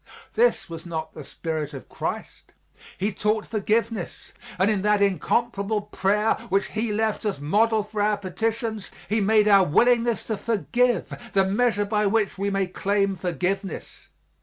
This was not the spirit of Christ. He taught forgiveness and in that incomparable prayer which He left as model for our petitions, He made our willingness to forgive the measure by which we may claim forgiveness.